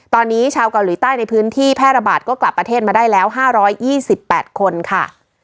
ตอนนี้ชาวเกาหลีใต้ในพื้นที่แพร่ระบาดก็กลับประเทศมาได้แล้ว๕๒๘คนค่ะ